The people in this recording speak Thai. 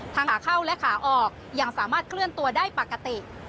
ขาเข้าและขาออกยังสามารถเคลื่อนตัวได้ปกติ